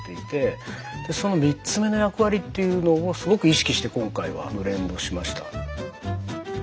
その３つ目の役割というのをすごく意識して今回はブレンドしました。